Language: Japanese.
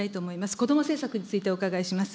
こども政策についてお伺いします。